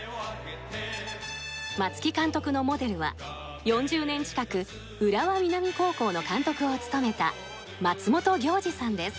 松木監督のモデルは４０年近く浦和南高校の監督を務めた松本暁司さんです。